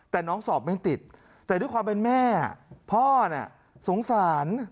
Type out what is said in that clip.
แต่น้องสอบไม่ติดแต่ด้วยความเป็นแม่พ่อน่ะสงสาร